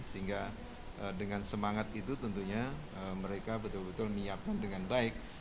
sehingga dengan semangat itu tentunya mereka betul betul menyiapkan dengan baik